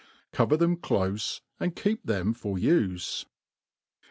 Cover them clofe, and keep them for ufe.